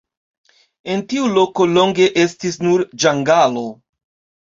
En tiu loko longe estis nur ĝangalo.